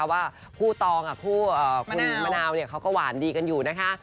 แต่ว่าผู้ตองผู้มะนาวเขาก็หวานดีกันอยู่นะคะ